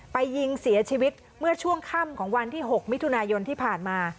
ยิงเสียชีวิตเมื่อช่วงค่ำของวันที่๖มิถุนายนที่ผ่านมา